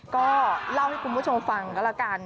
ก็เล่าให้คุณผู้ชมฟังก็แล้วกัน